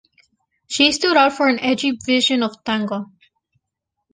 She stood out for an edgy vision of tango.